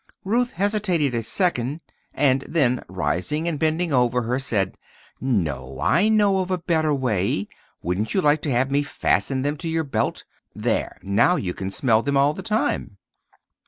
Ruth hesitated a second, and then rising and bending over her said, "No; I know of a better way. Wouldn't you like to have me fasten them in your belt? There, now you can smell them all the time."